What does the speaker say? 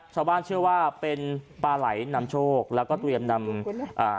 ชาวบ้านเชื่อว่าเป็นปลาไหลนำโชคแล้วก็เตรียมนำอ่า